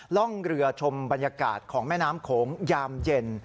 ร่องเรือชมบรรยากาศของแม่น้ำโขงยามเย็น